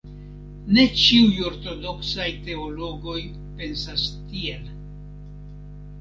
Ne ĉiuj ortodoksaj teologoj pensas tiel.